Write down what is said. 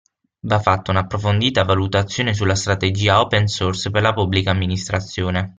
Va fatta un'approfondita valutazione sulla strategia open source per la Pubblica Amministrazione.